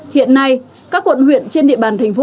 hiện nay các quận huyện trên địa bàn thành phố